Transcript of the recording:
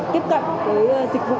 tiếp cận với dịch vụ